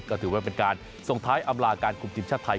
ก็ถือว่าเป็นการส่งท้ายอำลาการคุมทีมชาติไทย